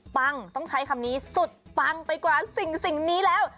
ต้องใช้คำนี้สุดปังไปกว่าสิ่งนี้แล้ว